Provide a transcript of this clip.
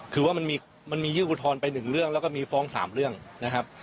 คือว่ามันมีมันมียื่นอุทรไปหนึ่งเรื่องแล้วก็มีฟ้องสามเรื่องนะครับ